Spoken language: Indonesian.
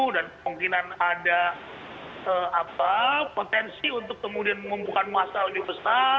dan kemungkinan ada potensi untuk kemudian mengumpulkan masa lebih besar